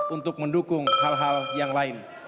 untuk mendukung hal hal yang lain